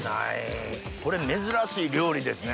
これ珍しい料理ですね。